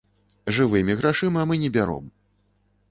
Жывымі грашыма мы не бяром.